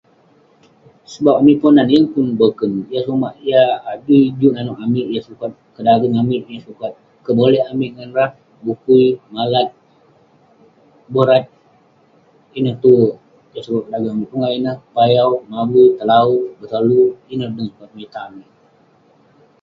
Sebab amik Ponan yeng pun boken. Jah sumak yah adui yah nanouk amik, yah sukat kedageng amik, yah sukat kebolek amik ngan rah ;bukui, malat, borat. Ineh tue yah sukat kedageng amik. Pongah ineh, payau, mabui, telawu, betolu. Ineh bi sukat penitah amik.